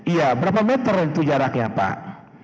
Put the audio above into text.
iya berapa meter itu jaraknya pak